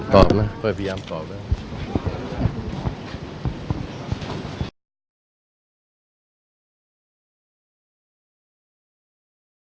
โปรดติดตามตอนต่อไป